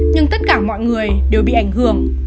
nhưng tất cả mọi người đều bị ảnh hưởng